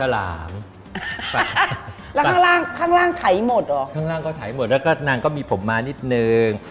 แล้วก็นางก็มีผมมานิดนึง